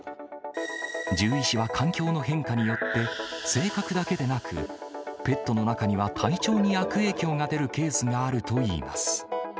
獣医師は環境の変化によって、性格だけでなく、ペットの中には体調に悪影響が出るケースがあるといいます。